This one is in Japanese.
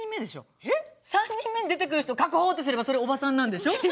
３人目に出てくる人確保！ってすればおばさんでしょ。